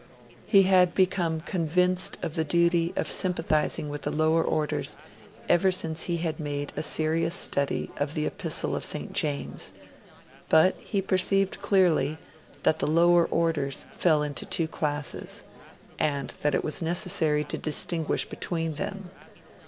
He had become convinced of the duty of sympathising with the lower orders ever since he had made a serious study of the Epistle of St. James; but he perceived clearly that the lower orders fell into two classes, and that it was necessary to distinguish between them.